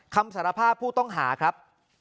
คำสารภาพผู้ต้องหาครับ